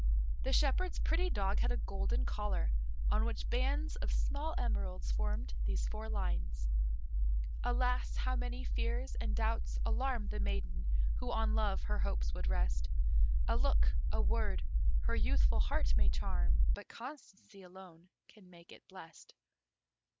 The shepherd's pretty dog had a golden collar, on which bands of small emeralds formed these four lines: Alas! how many fears and doubts alarm The maiden who on love her hopes would rest; A look, a word, her youthful heart may charm, But constancy alone can make it blest.